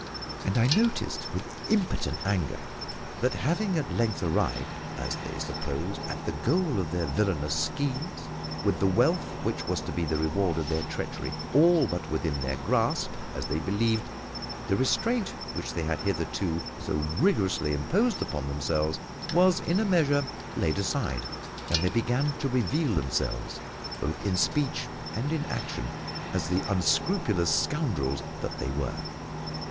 and I noticed, with impotent anger, that, having at length arrived, as they supposed, at the goal of their villainous schemes, with the wealth which was to be the reward of their treachery all but within their grasp, as they believed, the restraint which they had hitherto so rigorously imposed upon themselves was in a measure laid aside, and they began to reveal themselves, both in speech and in action, as the unscrupulous scoundrels that they were.